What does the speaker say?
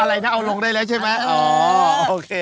อะไรนะเอาลงได้แล้วใช่ไหมอ๋อโอเค